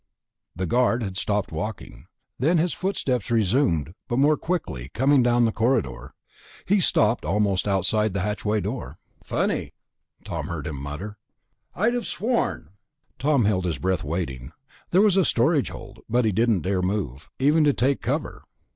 The guard had stopped walking. Then his footsteps resumed, but more quickly, coming down the corridor. He stopped, almost outside the hatchway door. "Funny," Tom heard him mutter. "I'd have sworn...." Tom held his breath, waiting. This was a storage hold, but he didn't dare to move, even to take cover.